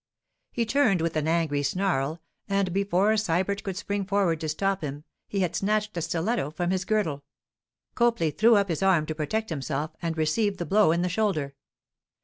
He turned with an angry snarl, and before Sybert could spring forward to stop him he had snatched a stiletto from his girdle. Copley threw up his arm to protect himself, and received the blow in the shoulder.